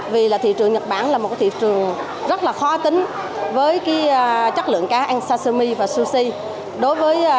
vì là thị trường nhật bản là một thị trường rất là khó tính với chất lượng cá ăn sashimi và sushi